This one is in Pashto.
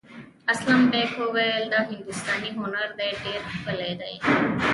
اسلم بېگ وویل دا هندوستاني هنر دی ډېر ښکلی دی.